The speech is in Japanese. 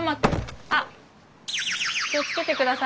あっ気を付けてくださいね。